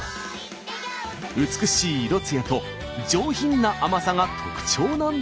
美しい色つやと上品な甘さが特徴なんだとか。